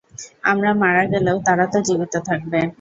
আমরা মারা গেলেও তারা তো জীবিত থাকবে।